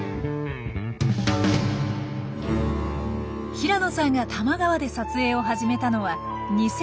平野さんが多摩川で撮影を始めたのは２０１９年。